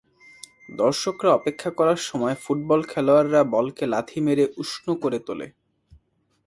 দর্শকরা অপেক্ষা করার সময় ফুটবল খেলোয়াড়রা বলকে লাথি মেরে উষ্ণ করে তোলে।